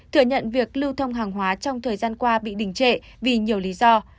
thừa nhận việc lưu thông hàng hóa trong thời gian qua bị đình trệ vì nhiều lý do